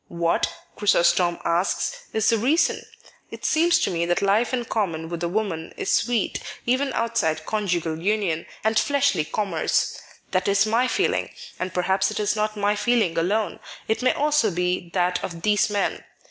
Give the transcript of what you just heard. What," Chrysotom asks, " is the reason ? It seems to mc that life in common with a woman is sweet, even outside conjugal union and fleshly com merce. That is my feeling; and perhaps it is not my feeling alone; it may also be that of these men.